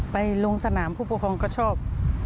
ลงสนามผู้ปกครองก็ชอบ